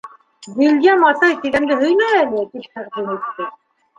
— «Вильям атай» тигәнде һөйлә әле, — тип тәҡдим итте